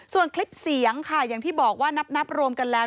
ส่วนคลิปเสียงค่ะอย่างที่บอกว่านับรวมกันแล้ว